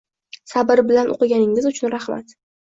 Sabr bilan o’qiganingiz uchun raxmat